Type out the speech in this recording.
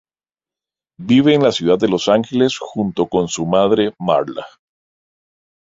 Vive en la ciudad de Los Ángeles junto con su madre Marla.